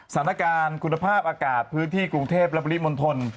สถานการณ์คุณภาพอากาศพื้นที่กรุงเทพและปริมณฑล